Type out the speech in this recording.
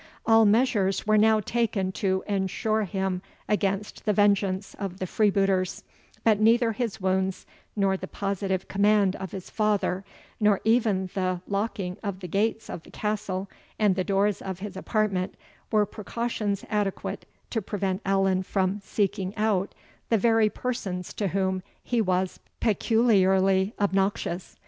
All measures were now taken to ensure him against the vengeance of the freebooters; but neither his wounds, nor the positive command of his father, nor even the locking of the gates of the castle and the doors of his apartment, were precautions adequate to prevent Allan from seeking out the very persons to whom he was peculiarly obnoxious.